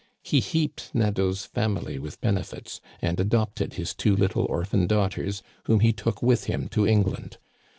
He heaped Nadeau's family with benefits, and adopted his two little orphan daughters, whom he took with him to England.